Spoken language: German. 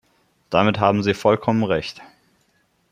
Damit haben Sie vollkommen Recht!